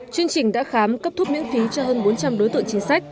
chương trình đã khám cấp thuốc miễn phí cho hơn bốn trăm linh đối tượng chính sách